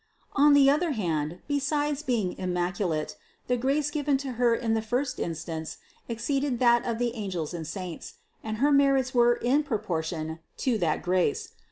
On the other hand, besides being immaculate, the grace given to Her in the first instance exceeded that of the angels and saints, and Her merits were in proportion to that grace.